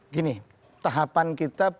gini tahapan kita belum